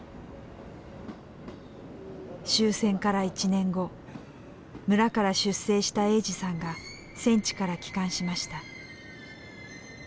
終戦から１年後村から出征した栄司さんが戦地から帰還しました。